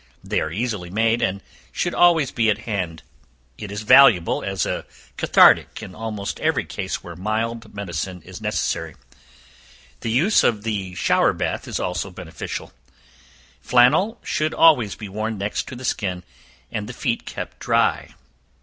They are easily made, and should always be at hand: it is valuable as a cathartic in almost every case where mild medicine is necessary. The use of the shower bath is also beneficial. Flannel should always be worn next the skin, and the feet kept dry.